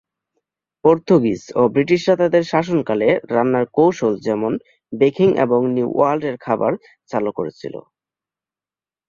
Portuguese ও ব্রিটিশরা তাদের শাসনকালে রান্নার কৌশল যেমন বেকিং এবং নিউ ওয়ার্ল্ড এর খাবার চালু করেছিল।